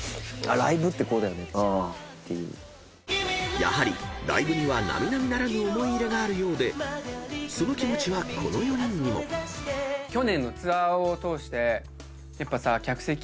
［やはりライブには並々ならぬ思い入れがあるようでその気持ちはこの４人にも］増えてるね。